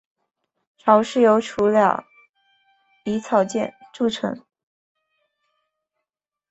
巢是由雌鸟以草筑成。